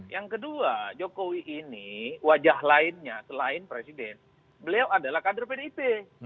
yang kedua jokowi ini wajah lainnya selain presiden beliau adalah kader pdip